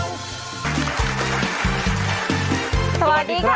กุกับสบัตรขาว